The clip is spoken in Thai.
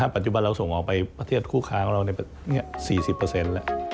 ปัจจุบันเราส่งออกไปประเทศคู่ค้าของเรา๔๐แล้ว